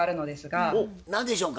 どうでしょうか？